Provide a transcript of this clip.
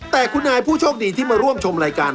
แต่คุณนายผู้โชคดีที่มาร่วมชมรายการ